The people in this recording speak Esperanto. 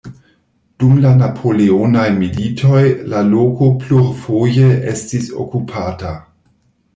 Dum la Napoleonaj Militoj la loko plurfoje estis okupata.